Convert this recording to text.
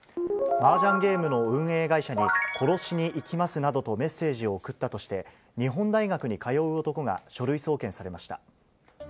マージャンゲームの運営会社に、殺しに行きますなどとメッセージを送ったとして、日本大学に通う男が書類送検されました。